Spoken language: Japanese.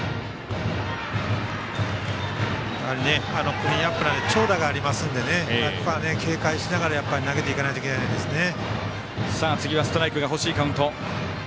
クリーンアップなので長打がありますのでここは警戒しながら投げていかないといけないですね。